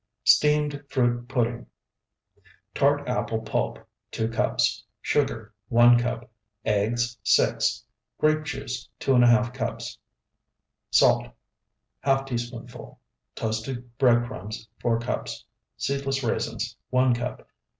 STEAMED FRUIT PUDDING Tart apple pulp, 2 cups. Sugar, 1 cup. Eggs, 6. Grape juice, 2½ cups. Salt, ½ teaspoonful. Toasted bread crumbs, 4 cups. Seedless raisins, 1 cup.